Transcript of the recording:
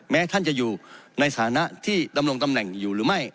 ท่านจะอยู่ในฐานะที่ดำรงตำแหน่งอยู่หรือไม่